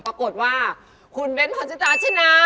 ปรากฏว่าคุณเบ้นพรชิตาชนะ